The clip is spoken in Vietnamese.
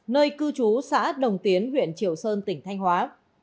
nơi cư trú xã đồng tiến huyện triệu sơn tỉnh thanh hóa